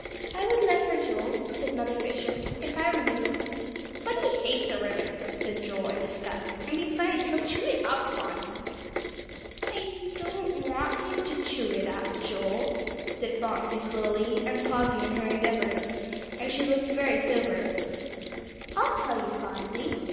"I would let her, Joel," said Mother Fisher, "if I were you." "But he hates a ribbon," said Joel in disgust, "and besides, he'll chew it up, Phronsie." "I don't want him to chew it up, Joel," said Phronsie slowly, and pausing in her endeavors. And she looked very sober. "I'll tell you, Phronsie."